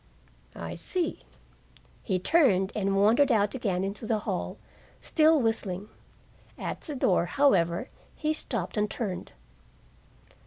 "I see." He turned and wandered out again into the hall, still whistling. At the door, however, he stopped and turned.